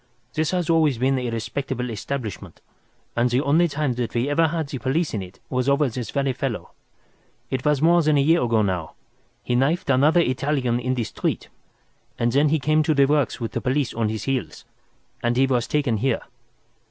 This has always been a respectable establishment, and the only time that we have ever had the police in it was over this very fellow. It was more than a year ago now. He knifed another Italian in the street, and then he came to the works with the police on his heels, and he was taken here.